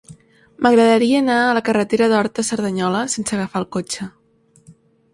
M'agradaria anar a la carretera d'Horta a Cerdanyola sense agafar el cotxe.